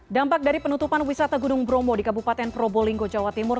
dampak dari penutupan wisata gunung bromo di kabupaten probolinggo jawa timur